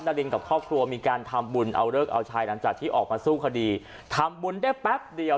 รินกับครอบครัวมีการทำบุญเอาเลิกเอาชายหลังจากที่ออกมาสู้คดีทำบุญได้แป๊บเดียว